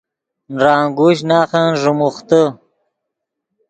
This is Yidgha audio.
نرانگوشچ ناخن ݱیموختے